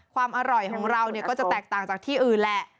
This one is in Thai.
ความอร่อยของเราก็จะแตกต่างจากที่อื่นแหละ